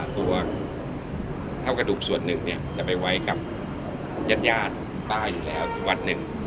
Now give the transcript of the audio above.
ตัวท่ากระดูกส่วนหนึ่งเนี่ยจะไปไว้กับยาตรตายแล้วที่วัดหนึ่ง